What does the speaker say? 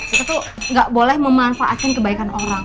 kita tuh gak boleh memanfaatkan kebaikan orang